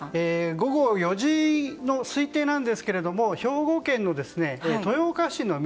午後４時の推定なんですけど兵庫県の豊岡市の南